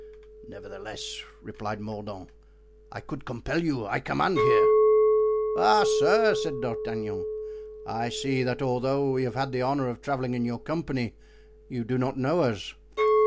"Nevertheless," replied Mordaunt, "I could compel you; I command here." "Ah, sir!" said D'Artagnan, "I see that although we have had the honor of traveling in your company you do not know us.